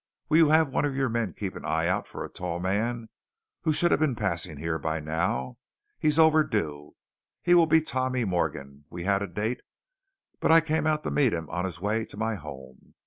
Will you have one of your men keep an eye out for a tall man who should have been passing here by now. He's overdue. He will be Tommy Morgan; we had a date but I came out to meet him on his way to my home.